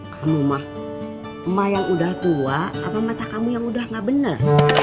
kamu mah emak yang udah tua apa mata kamu yang udah gak bener